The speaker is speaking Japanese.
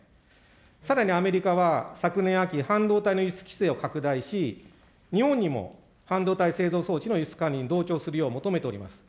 さらにアメリカは、昨年秋、半導体の輸出規制を拡大し、日本にも半導体製造装置の輸出管理に同調するよう求めております。